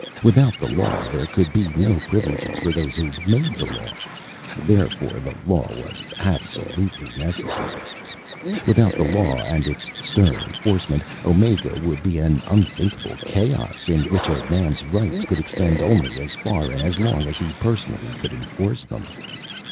Without the law, there could be no privileges for those who made the law; therefore the law was absolutely necessary. Without the law and its stern enforcement, Omega would be an unthinkable chaos in which a man's rights could extend only as far and as long as he personally could enforce them.